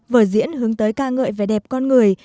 vợ diễn hướng tới ca ngợi về đẹp con người